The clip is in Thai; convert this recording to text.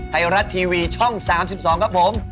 ไทยรัฐทีวีช่อง๓๒ครับผม